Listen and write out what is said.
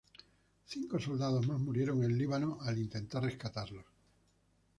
Cinco soldados más murieron en Líbano al intentar rescatarlos.